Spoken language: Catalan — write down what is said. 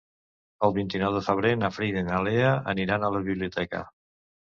El vint-i-nou de febrer na Frida i na Lea aniran a la biblioteca.